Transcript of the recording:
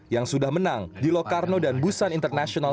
yang sudah menang di locarno dan busan international